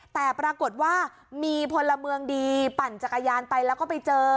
แต่ปรากฏว่ามีพลเมืองดีปั่นจักรยานไปแล้วก็ไปเจอ